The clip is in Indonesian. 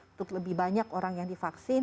untuk lebih banyak orang yang divaksin